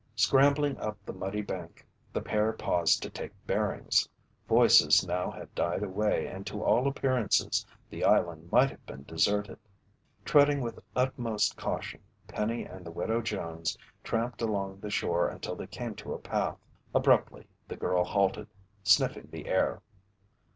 Scrambling up the muddy bank, the pair paused to take bearings. Voices now had died away and to all appearances the island might have been deserted. Treading with utmost caution, Penny and the Widow Jones tramped along the shore until they came to a path. Abruptly, the girl halted, sniffing the air.